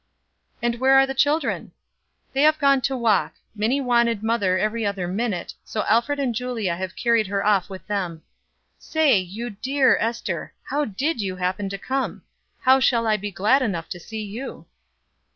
"And where are the children?" "They have gone to walk. Minie wanted mother every other minute, so Alfred and Julia have carried her off with them. Say, you dear Ester, how did you happen to come? How shall I be glad enough to see you?"